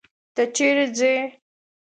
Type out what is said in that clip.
ته چيري ځې؟